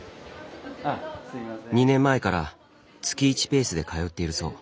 ２年前から月１ペースで通っているそう。